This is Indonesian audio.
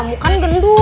kamu kan gendut